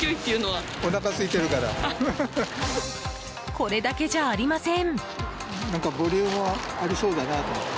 これだけじゃありません。